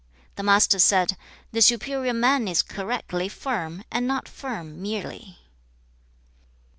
The Master said, 'The superior man is correctly firm, and not firm merely.'